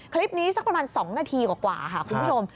คลิปนี้สักประมาณ๒นาทีกว่าคุณผู้ชม